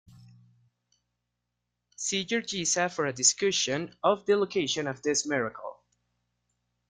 See Gergesa for a discussion of the location of this miracle.